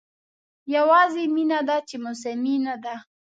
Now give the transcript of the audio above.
یوازې مینه ده چې موسمي نه ده.